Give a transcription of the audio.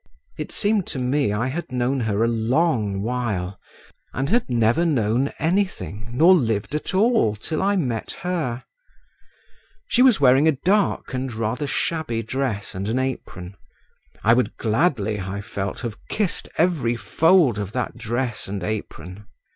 It seemed to me I had known her a long while and had never known anything nor lived at all till I met her…. She was wearing a dark and rather shabby dress and an apron; I would gladly, I felt, have kissed every fold of that dress and apron.